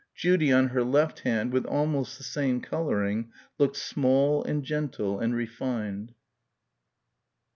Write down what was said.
Judy on her left hand with almost the same colouring looked small and gentle and refined.